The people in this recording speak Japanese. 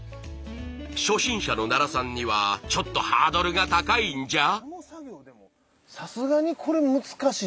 初心者の奈良さんにはちょっとハードルが高いんじゃ？